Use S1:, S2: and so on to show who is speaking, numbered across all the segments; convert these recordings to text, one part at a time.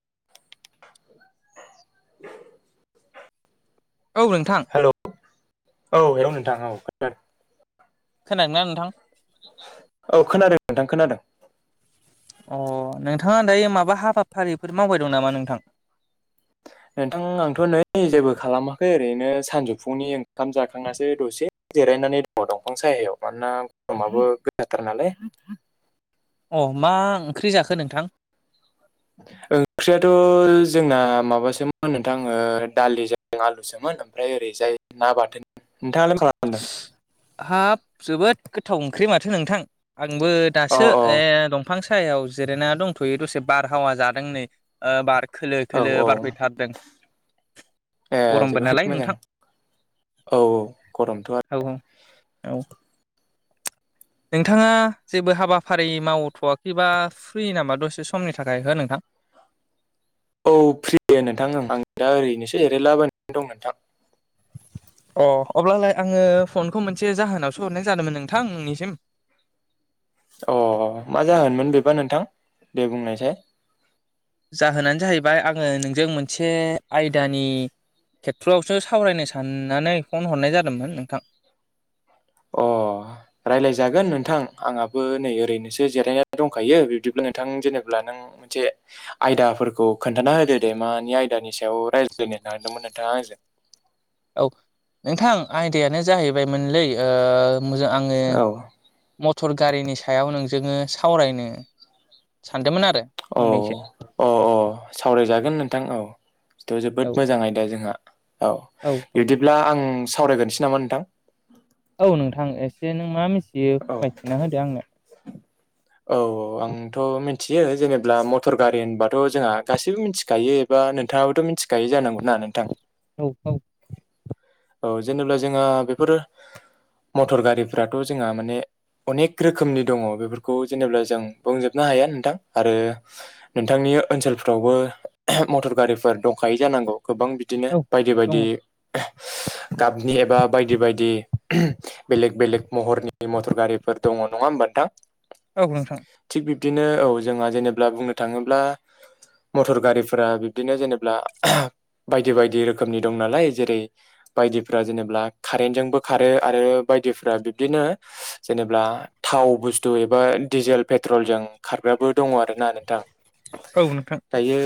S1: [inaudible]
S2: औ नोंथां
S1: हेलौ औ हौ नोंथां औ खोन्थादों
S2: खोनादोंना नोंथां
S1: औ खोनादों नोंथां खोनादों
S2: अ नोंथाङा दायो माबा हाबाफारिफोर मावबाय दं नामा नोंथां
S1: नोंथां आंथ' नै जेबो खालामाखै ओरैनो सानजौफुंनि ओंखाम जाखांनासो दसे जिरायनानै दङ दंफां सायायाव मानोना गरमाबो गोजाथार नालाय
S2: अ मा ओंख्रि जाखो नोंथां
S1: ओंख्रियाथ' जोंना माबासोमोन नोंथां ओ दालिजों आलुसोमोन ओमफ्राय ओरैजाय ना बाथोन नोंथाङालाय मा खालामदों
S2: हाब जोबोद गोथाव ओंख्रि माथो नोंथां आंबो
S1: अ
S2: दासो
S1: अ
S2: ए दं बिफां सायाव जिरायना दंथ'यो दसे बारहावा जादों नै अ बार खोलो
S1: औ
S2: खोलो
S1: औ
S2: बारफैथारदों।
S1: ए
S2: गरमबो नालाय
S1: जोबोद मोजां
S2: नोंथां
S1: औ गरमथ' आरो।
S2: औ औ नोंथाङा जेबो हाबाफारि मावथ'वाखैबा फ्रि नामा दसे समनि थाखाय हो नोंथां। [inaudible]
S1: औ फ्रि नोंथां आं दा ओरैनोसो एरायलाबायनानै दं नोंथां।
S2: अ अब्लालाय आङो फनखौ मोनसे जाहोनावसो हरनाय जादोंमोन नों नोंथां नोंनिसिम
S1: अ मा जाहोनमोन बेबा नोंथां? दे बुंनायसाय।
S2: जाहोनानो जाहैबाय आङो नोंजों मोनसे आयदानि खेथ्र'आवसो सावरायनो साननानै फन हरनाय जादोंमोन नोंथां।
S1: अ रायलायजागोन नोंथां आंहाबो नै ओरैनोसो जिरायनानै दंखायो बिब्दिब्ला। नोंथां जेनेबा नों मोनसे आयदाफोरखौ खोन्थाना होदो दे मानि आयदानि सायाव राय- लायनो नागिरदोंमोन नोंथाङा आंजों
S2: औ नोंथां आयदायानो जाहैबाय मोनलै । अ मोजां आङो
S1: औ
S2: मटर गारिनि सायाव नों- जोंनो सावरायनो सानदोंमोन। आरो
S1: औ
S2: फंनैसो
S1: अ औ सावरायजागोन नोंथां औ। थ'
S2: औ
S1: जोबोद मोजां आयदा जोंहा औ बिदिब्ला आं। सावरायगोनसै नामा नोंथां?
S2: औ नोंथां एसे नों मा मिथियो फोरमायथिना होदो आंनो।
S1: औ औ आंथ' मिथियो जेनेब्ला मटर गारि होनबाथ' जोंहा गासैबो मिथिखायो नोंथाङाबोथ' मिथिखायो जानांगौ ना नोंथां।
S2: औ औ
S1: औ जेनेबा जोंहा बेफोर मटर गारिफ्राथ' जोंहा माने। अनेक रोखोमनि दङ बेफोरखौ जेनेबा जों बुंजोबनो हाया नोंथां, आरो नोंथांनि बे ओनसोलफ्रावबो मटर गारिफोरा दंखायै जानांगौ। गोबां बिदिनो
S2: औ
S1: बायदि
S2: दङ
S1: बायदि
S2: [inaudible]
S1: गाबनि एबा बायदि बायदि बेलेग बेलेग महरनि मटर गारिफोर दङ, नङा होमबा नोंथां?
S2: औ नोंथां।
S1: बिदिनो औ जोंहा जेनेब्ला बुंनो थाङोब्ला। मटर गारिफोरा बिब्दिनो जेनेबा बायदि बायदि रोखोमनि दं नालाय जेरै बायदिफ्रा जेनेबा कारेन्टजोंबो खारो आरो बायदिफ्रा बिब्दिनो जेनेब्ला थाव बुस्थु एबा डिजेल पेट्रलजों खारग्राबो दङ आरो ना नोंथां।
S2: औ नोंथां
S1: दायो।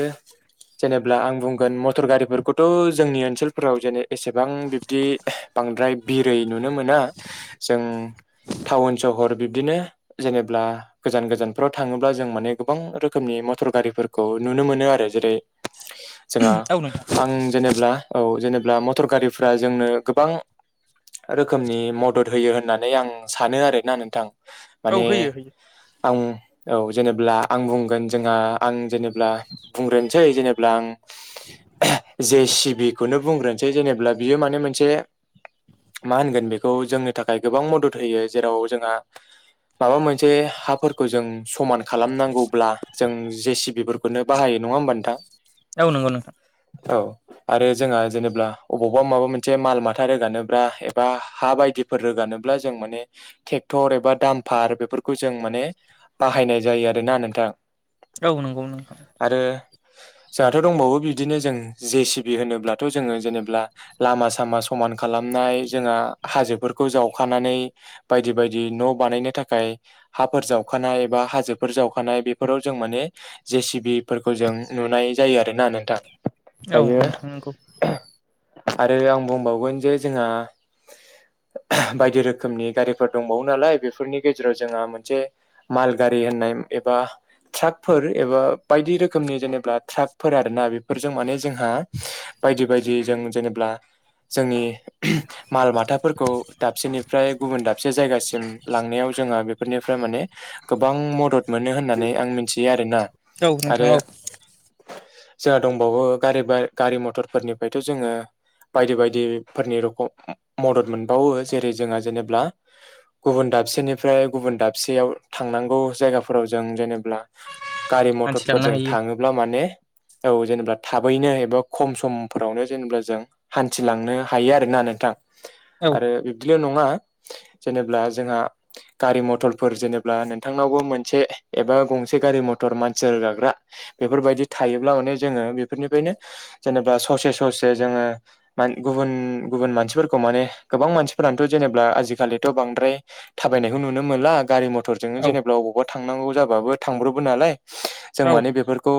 S1: जेनेब्ला आं बुंगोन मटर गारिफोरखौथ' जोंनि ओनसोलफोराव जेने- एसेबां बिब्दि बांद्राय बिरै नुनो मोना जों। टाउन सहर बिबदिनो जेनेब्ला गोजान गोजानफोराव थाङोब्ला जों माने गोबां रोखोमनि । मटर गारिफोरखौ नुनो मोनो आरो जेरै जोंहा
S2: औ नोंथां
S1: आं जेनेब्ला औ जेनेब्ला मटर गारिफ्रा जोंनो गोबां रोखोमनि मदद होयो होननानै आं सानो आरोना नोंथां।
S2: औ
S1: माने
S2: होयो होयो
S1: आं औ जेनेब्ला आं बुंगोन जोंहा आं जेनेब्ला बुंग्रोनोसै जेनेब्ला आं जे सिबिखौनो बुंग्रोनोसै जेनेब्ला बियो माने मोनसे मा होनगोन बेखौ? जोंनि थाखाय गोबां मदद होयो जेराव जोंहा माबा मोनसे हाफोरखौ जों समान खालामनांगौब्ला जों जे सिबिफोरखौनो बाहायो। नङा होमबा नोंथां?
S2: औ नंगौ नोंथां।
S1: औ आरो जोंहा जेनेब्ला अबावबा माबा मोनसे माल माथा रोगानोब्रा एबा हा बायदिफोर रोगानोब्ला जों माने थे थेक्थर एबा दामफार बेफोरखौ जों माने बाहायनाय जायो आरो ना नोंथां।
S2: औ नंगौ नोंथां।
S1: आरो जोंहाथ' दंबावो बिदिनो जों जे सिबि होनोब्लाथ' जोङो जेने- ब्ला लामा सामा समान खालामनाय जोंहा हाजोफोरखौ जावखानानै बायदि बाय दि न' बानायनो थाखाय हाफोर जावखानाय बा हाजोफोर जावखानाय बेफोराव जों माने जे सिबिफोरखौ जों नुनाय जायो आरो ना नोंथां।
S2: औ
S1: दायो
S2: नोंथां नंगौ।
S1: आरो आं बुंबावगोन जे जोंहा बायदि रोखोमनि गारिफोर दंबावो नालाय बेफोरनि गेजेराव जोंहा मोनसे माल गारि होननाय एबा ट्राकफोर एबा बायदि रोखोमनि जेनेबा ट्राकफोर आरो ना बेफोरजों माने जोंहा बायदि बायदि जों जेनेब्ला जोंनि माल माथाफोरखौ दाबसेनिफ्राय गुबुन दाबसे जायगासिम लांनायाव जोंहा बेफोरनिफ्राय माने गोबां मदद मोनो होननानै आं मिथियो आरो ना।
S2: औ नोंथां
S1: आरो
S2: औ
S1: जोंहा दंबावो गारि बाय गारि मथरफोरनिफ्रायथ' जोङो बायदि बायदिफोरनि रख' मदद मोनबावो। जेरै जोंहा जेनेबा गुबुन दाबसेनिफ्राय गुबुन दाबसेयाव थांनांगौ जायगाफोराव जों जेनेब्ला गारि
S2: हान्थिलांनो
S1: मथरफोरजों
S2: हायो
S1: थाङोब्ला माने औ जेनेबा थाबैनो एबा खम सम फोरावनो जेनेबा जों हान्थिलांनो हायो आरो ना नोंथां।
S2: औ
S1: आरो बिब्दिया नङा जेनेब्ला जोंहा गारि मथरफोर जेनेब्ला नोंथांनावबो मोनसे एबा गंसे गारि म थर मानसि रोगाग्रा बेफोरबायदि थायोब्ला माने जोङो बेफोरनिफ्रायनो जेनेबा ससे ससे जोङो [unintelligible] गुबुन गुबुन मानसिफोरखौ माने गोबां मानसिफोरानोथ' जेनेब्ला आ जिखालिथ' बांद्राय थाबायनायखौ नुनो मोनला गारि म टरजोंनो
S2: औ
S1: जेनेबा अबावबा थांनांगौ जाबाबो थांब्रबो नालाय जों
S2: औ
S1: माने बेफोरखौ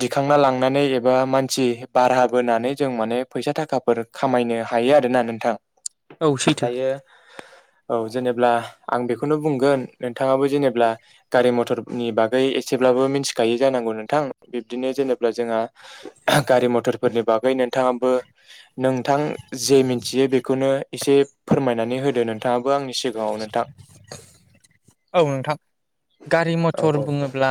S1: दिखांना लांनानै एबा मानसि बाराह बोनानै जों माने फैसा थाखाफोर खामायनो हायो आरो ना नोंथां।
S2: औ सैथो
S1: दायो औ जेनेबा आं बेखौनो बुंगोन नोंथाङाबो जेनेबा गारि मथरनि बागै एसे ब्लाबो मिनथिखायो जानांगौ नोंथां। बिबदिनो जेनेबा जोंहा [unintelligible] गारि म टरफोरनि बागै नोंथाङाबो नोंथां जे मिनथियो बेखौनो एसे फोरमायनानै होदो नोंथाङाबो आंनि सिगाङाव नोंथां।
S2: औ नोंथां। गारि
S1: औ
S2: मथर
S1: औ
S2: बुङोब्ला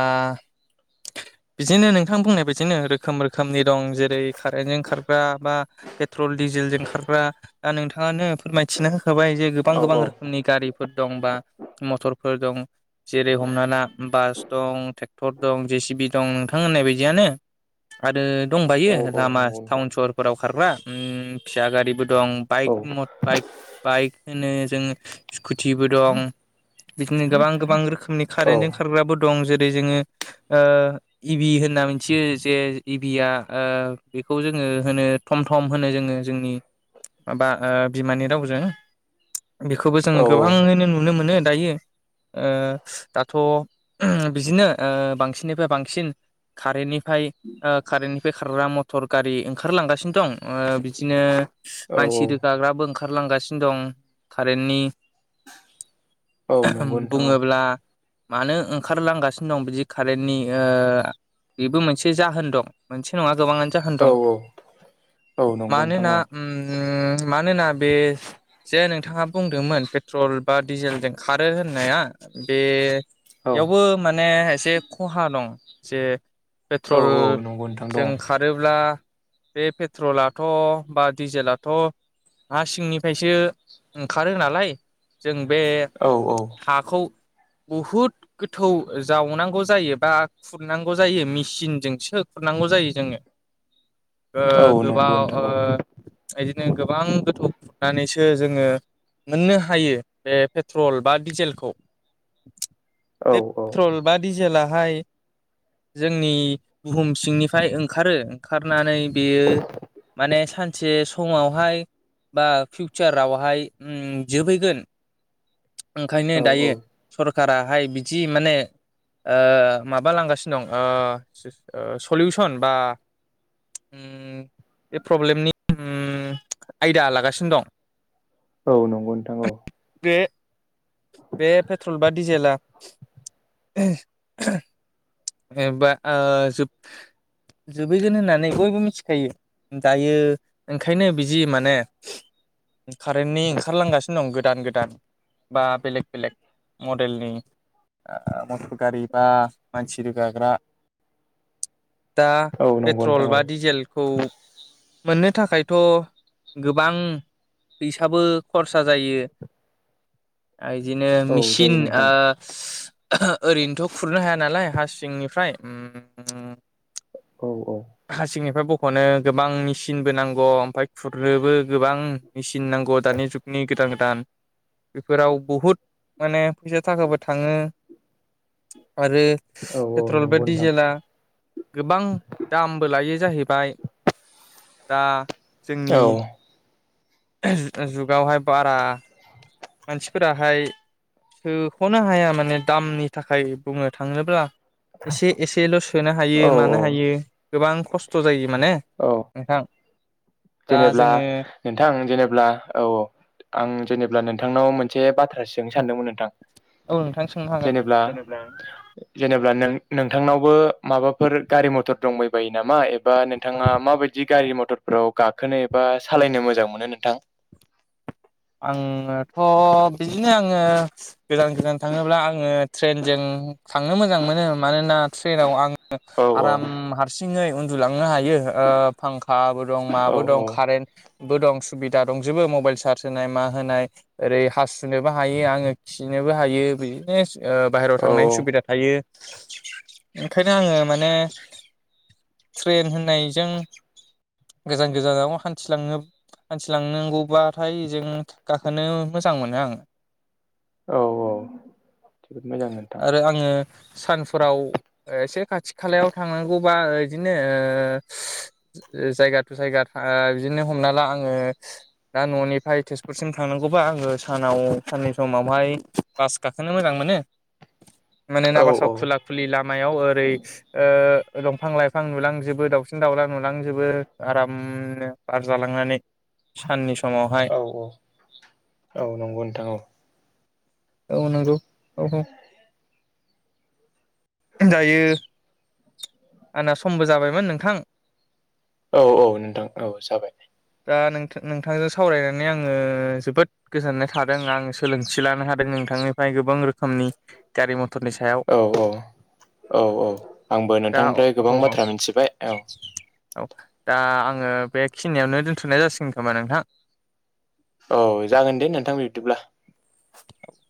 S2: बिदिनो नोंथां बुंनाय बादिनो रोखोम रोखोमनि दं। जेरै खारेन्टजों खारग्रा बा पेथ्रल दि जेलजों खारग्रा दा नोंथाङानो फोरमायथिनो होखाबाय जे गोबां गोबां
S1: औ औ
S2: रोखोमनि गारिफोर दं बा मथर फोर दं। जेरै हमना ला बास दं थेक्टर दं जे सिबि दं नोंथां होननाय बायदियानो [unintelligible] आरो दंबायो
S1: औ औ
S2: लामा
S1: नंगौ नोंथां
S2: थाउन सहरफोराव खारग्रा उम फिसा गारिबो दं
S1: औ
S2: बाइक म बाइक बाइक होनो जों स्कुटिबो दं बिदिनो गोबां गोबां रोखोमनि खारेन्टजों खारग्राबो द दं जेरै जोङो ओ इबि होनना मिथियो जे इबिया ओ बे खौ जोङो होनो थम थम होनो जोङो जोंनि माबा बिमानि रावजों बेखौबो जों
S1: औ
S2: गोबाङैनो नुनो मोनो दायो। ओ दाथ' [unintelligible] बिदिनो ओ बांसिननिफ्राय बांसिन खारेन्टनि फ्राय ओ खारेेन्टनिफ्राय खारग्रा मथर गारि ओंखारलांगासिनो दं ओ बिदिनो
S1: औ
S2: मानसि रोगाग्राबो ओंखारलांगासिनो दं खारेन्टनि
S1: औ नंगौ
S2: [unintelligible]
S1: नोंथां
S2: बुङोब्ला मानो ओंखारलांगासिनो दं बिदि कारेन्टनि ओ बेबो मोनसे जाहोन दं मोनसे नंङा गोबांङानो जाहोन दं
S1: औ औ औ नंगौ नोंथां
S2: मानोना
S1: औ
S2: उम उम मानोना बे जे नोंथांङा बुंदोंमोन पेट्रल बा डिजेलजों खारो होननाया
S1: औ
S2: बेयावबो माने एसे खहा दं। जे पेट्रल
S1: औ औ नंगौ नोंथां
S2: जों
S1: दङ
S2: खारोब्ला बे पेट्रलाथ' बा डिजेलाथ' हा सिंनिफ्रायसो ओंखारो नालाय जों बे
S1: औ औ
S2: बुहुद गोथौ जावनांगौ जायो बा खुरनांगौ जायो मिसिनजोंसो खुर नांगौ जायो जोंङो ओ
S1: औ नंगौ
S2: गोबाव
S1: नोंथां
S2: ओ
S1: औ
S2: बा दिनो गोबां गोथौ खुरनानैसो जोंङो मोननो हायो बे पेट्रल बा डिजेलखौ
S1: औ
S2: बे
S1: औ
S2: पेट्रल बा डिजेलखौ जेलाहाय जोंनि बुहुम सिंनिफ्राय ओंखारो ओंखारनानै बेयो माने सानसे स समावहाय बा फिउचारावहाय उम जोबहैगोन ओंखायनो
S1: औ
S2: दायो
S1: औ
S2: सरखाराहाय बिदि माने ओ माबालांगासिनो दं ओ सलु सन बा उम बे प्रब्लेमनि ओम आयदा लागासिनो दं
S1: औ नंगौ नोंथां औ
S2: बे बे पेट्रल बा डिजेला एबा ओ जोब जोबहैगोन होननानै बयबो मिथिखायो दायो ओंखायनो बिदि माने कारेन्टनि ओंखारलांगासिनो दं गोदान गोदान बा बेलेग बेलेग मडेलनि ओ ओम गारिबा मानसि रोगाग्रा दा
S1: औ नंगौ
S2: पेट्रल
S1: नोंथां औ
S2: बा डिजेलखौ मोननो थाखायथ' गोबां फैसाबो खरसा जायो ओइदिनो
S1: औ जायो
S2: मिसिनि ओ
S1: नोंथां
S2: ओहो ओरैनोथ' खुरनो हाया नालाय हा सिंनिफ्राय ओम ओम
S1: औ औ
S2: हासिंनिफ्राय बख'नो गोबां मिसिनबो नांगौ ओमफ्राय खुरनोबो गोबां मेसिन नांगौ दानि जुगनि गोदान गो दान बेफोराव बुहुद माने फैसा थाखाबो थांङो आरो
S1: औ औ
S2: पेट्रल बे
S1: नंगौ नोंथां
S2: डिजेला गोबां बो लायो जाहैबाय दा जोंनि
S1: औ
S2: ओहो जुगावहाय बारा मानसिफोराहाय सोख'नो हाया माने दामनि थाखाय बुंनो थांङोब्ला एसे एसेल' सोनो हायो
S1: औ
S2: मानो
S1: औ
S2: हायो गोबां खस्थ' जायो माने नोंथां दा
S1: जेनेबला
S2: जोङो
S1: नोंथां जे अब्ला औ औ आं जेनेबा नोंथांनाव मोनसे बाथ्रासो सोंनो सानदोंमोन नोंथां?
S2: औ नोंथां सोंनो हागोन
S1: जेनेबला
S2: जेनेब्ला
S1: जेनेबला नों नोंथांनावबो माबाफोर गारि मथर दंबायबायो नामा एबा नोंथांङा माबायदि गारि म टरफोराव गाखोनो एबा सालायनो मोजां मोनो नोंथां
S2: आंङोथ' बिदिनो आंङो गोजान गोजान थांङोब्ला आंङो ट्रेनजों थांनो मोजां मोनो मानोना ट्रेनाव आंङो ङो
S1: औ औ
S2: आराम हारसिंङै उन्दुलांनो हायो ओ फांखा दं मा
S1: औ
S2: दं कारेनबो दं सुबिदा दंजोबो मबाइल सार्स होनाय मा होनाय ओरै हासुनोबो हायो आरो खिनोबो हायो बिदि बाहेरायाव
S1: औ
S2: थांनायनि सुबिदा थायो ओंखायनो आङो माने ट्रेन होननायजों गोजान गोजान लामा हान्थिलांनो हान्थिलांनांगौबाथाय जों गाखोनो मोजां मोनो आङो
S1: औ औ जोबोद मोजां नोंथां
S2: आरो आङो सानफोराव एसे खाथि खालायाव थांनांगौबा बिदिनो ओ जायगा जायगा ओ बिदिनो हमना ला आङो दा न'नि फ्राय तेजपुरसिम थांनांगौबा आङो सानाव साननि समावहाय बास गाखोनो मोजां मोनो मानोना
S1: औ
S2: बासाव
S1: औ
S2: खुला खुलि लामायाव ओरै ओ दंफां लाइफां नुलांजोबो दाउसिन दाउला नुलांजोबो आरामनो बार जालांनानै साननि समावहाय
S1: औ औ नंगौ नोंथां औ।
S2: औ नोंगौ।
S1: [inaudible]
S2: जायो। आंना समबो जाबायमोन नोंथां।
S1: औ औ नोंथां औ जाबाय।
S2: दा नोंथां नोंथांजों सावरायनानै आङो जोबोद गोजोननाय थादों आं सोलोंथि लानो हादों। नोंथांनिफ्राय गोबां रोख खोमनि गारि मथरनि सायाव
S1: औ औ औ औ आंबो
S2: दा अ
S1: नोंथांनिफ्राय गोबां
S2: औ औ।
S1: बाथ्रा मिथिबाय औ
S2: औ दा आङो बे खिनियावनो दोनथ'नाय जासिगोन खोमा नोंथां।
S1: औ जागोन दे नोंथां बिबदिब्ला।
S2: औ